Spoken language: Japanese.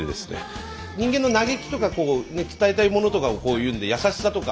人間の嘆きとかこう伝えたいものとかを言うんで優しさとか。